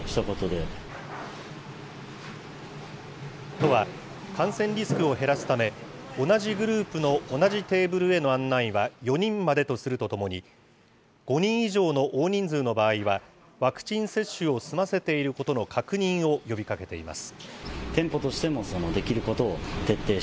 都は感染リスクを減らすため、同じグループの同じテーブルへの案内は４人までとするとともに、５人以上の大人数の場合は、ワクチン接種を済ませていることの確認を呼びかけています。